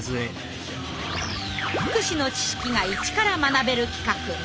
福祉の知識が一から学べる企画「フクチッチ」。